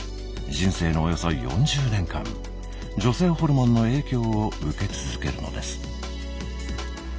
人生のおよそ４０年間女性ホルモンの影響を受け続けるのです。